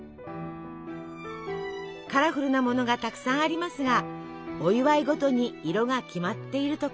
カラフルなものがたくさんありますがお祝い事に色が決まっているとか。